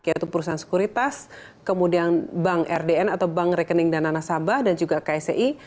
yaitu perusahaan sekuritas kemudian bank rdn atau bank rekening dana nasabah dan juga ksei